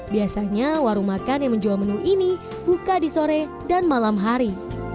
biasanya warung makan yang menjual menu ini buka di sore dan malam hari